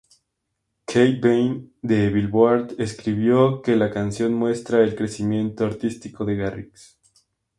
Kat Bein de Billboard escribió que la canción muestra el crecimiento artístico de Garrix.